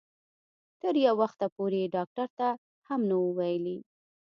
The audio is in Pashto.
تر یو وخته پورې یې ډاکټر ته هم نه وو ویلي.